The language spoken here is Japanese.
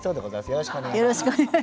よろしくお願いします。